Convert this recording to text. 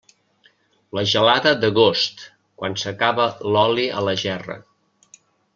La gelada d'agost, quan s'acaba l'oli a la gerra.